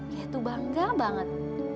dia tuh bangga banget